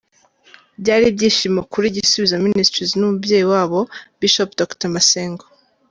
Byari ibyishimo kuri Gisubizo Ministries n'umubyeyi wabo Bishop Dr Masengo.